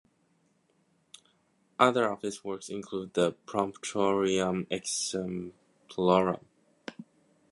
Other of his works include the "Promptuarium Exemplorum".